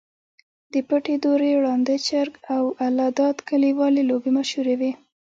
د پټې دُرې، ړانده چرک، او الله داد کلیوالې لوبې مشهورې وې.